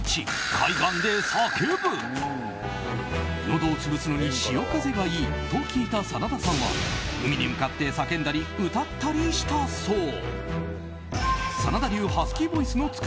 のどを潰すのに潮風がいいと聞いた真田さんは海に向かって叫んだり歌ったりしたそう。